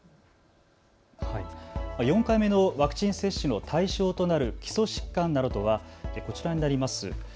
４回目のワクチン接種の対象となる基礎疾患などとはこちらになります。